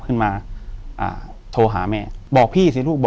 อยู่ที่แม่ศรีวิรัยิลครับ